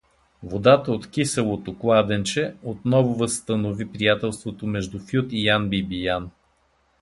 Водата от Киселото кладенче отново възстанови приятелството между Фют и Ян Бибиян.